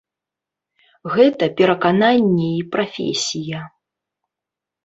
Гэта перакананні і прафесія.